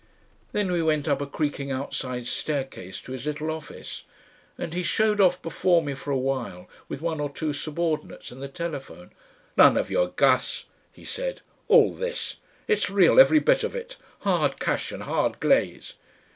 Then we went up a creaking outside staircase to his little office, and he showed off before me for a while, with one or two subordinates and the telephone. "None of your Gas," he said, "all this. It's Real every bit of it. Hard cash and hard glaze."